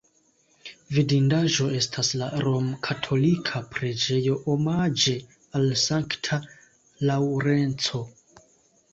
Vidindaĵo estas la romkatolika preĝejo omaĝe al Sankta Laŭrenco.